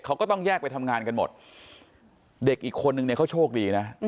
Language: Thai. เขาก็ต้องแยกไปทำงานกันหมดเด็กอีกคนนึงเนี่ยเขาโชคดีนะ